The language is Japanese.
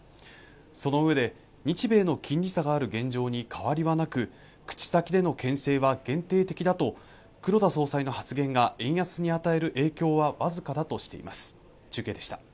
そのうえで日米の金利差がある現状に変わりはなく口先での権勢は限定的だと黒田総裁の発言が円安に与える影響はわずかだとしています